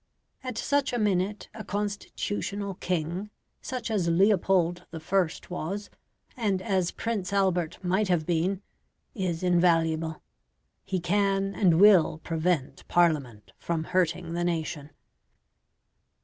At such a minute a constitutional king such as Leopold the First was, and as Prince Albert might have been is invaluable; he can and will prevent Parliament from hurting the nation.